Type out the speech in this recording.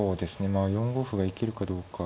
まあ４五歩が生きるかどうか。